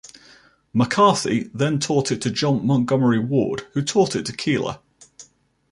McCarthy then taught it to John Montgomery Ward, who taught it to Keeler.